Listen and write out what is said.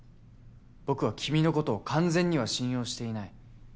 僕は君のことを完全には信用していない。